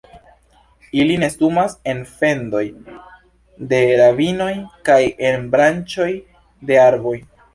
Ili nestumas en fendoj de ravinoj kaj en branĉoj de arboj.